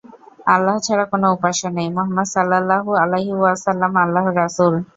আল্লাহ ছাড়া কোন উপাস্য নেই, মুহাম্মাদ সাল্লাল্লাহু আলাইহি ওয়াসাল্লাম আল্লাহর রাসূল।